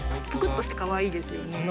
ぷくっとしてかわいいですよね。